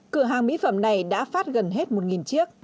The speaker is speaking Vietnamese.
cửa hàng mỹ phẩm này đã phát gần hết một chiếc